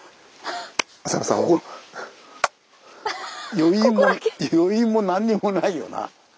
余韻も何にもないよな。